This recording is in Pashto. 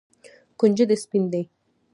کنجد سپین دي.